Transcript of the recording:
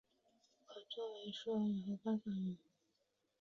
可做为食用鱼及观赏鱼。